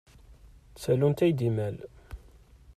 D tallunt ay d imal.